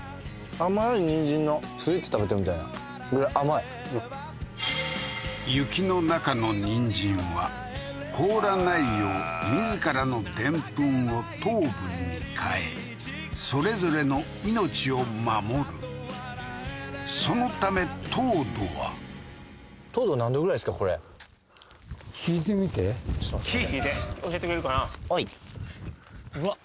甘いニンジンのスイーツ食べてるみたいなぐらい甘い雪の中のニンジンは凍らないよう自らのデンプンを糖分に変えそれぞれの命を守るそのため糖度は教えてくれるかな？